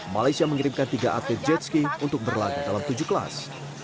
malaysia mengirimkan tiga atlet jetski untuk berlaga dalam tujuh kelas